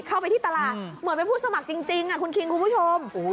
เข้าไปที่ตลาดเหมือนเป็นผู้สมัครจริงคุณคิงคุณผู้ชม